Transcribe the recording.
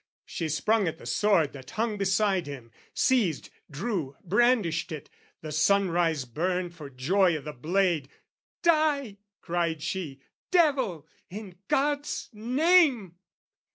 She sprung at the sword that hung beside him, seized, Drew, brandished it, the sunrise burned for joy O' the blade, "Die," cried she, "devil, in God's name!"